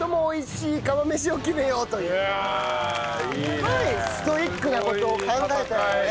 すごいストイックな事を考えたよね。